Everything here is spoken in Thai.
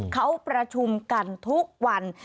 เขาประชุมกันทุกวัน